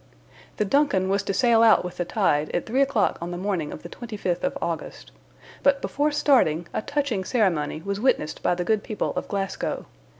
The DUNCAN was to sail out with the tide at three o'clock on the morning of the 25th of August. But before starting, a touching ceremony was witnessed by the good people of Glasgow.